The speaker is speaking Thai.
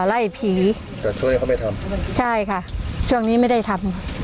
ไล่ผีแต่ช่วงนี้เขาไม่ทำใช่ค่ะช่วงนี้ไม่ได้ทำ